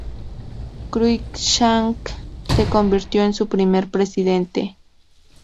Cruickshank se convirtió en su primer presidente.